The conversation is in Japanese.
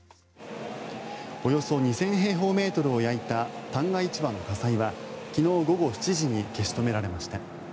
およそ２０００平方メートルを焼いた旦過市場の火災は昨日午後７時に消し止められました。